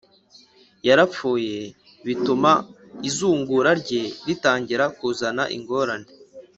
yarapfuye bituma izungura rye ritangira kuzana ingorane